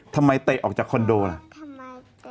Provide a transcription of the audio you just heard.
ทำไมเขาเตะออกจากคอนโดล่ะ